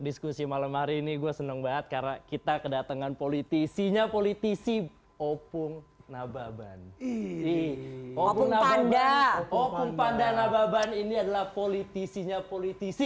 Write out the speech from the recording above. dan hari ini kita juga akan datang bang hasan nazbini